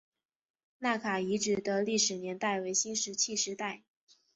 纳卡遗址的历史年代为新石器时代。